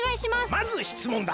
まずしつもんだ。